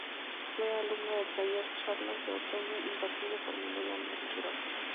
Fue alumna del taller "Charlas de otoño" impartido por Manuel Álvarez Bravo.